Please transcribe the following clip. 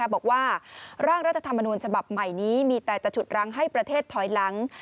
บอกว่าร่างรัฐธรรมนูญฉบับใหม่นี้มีแต่จะฉุดรังให้ประเทศถอยหลัง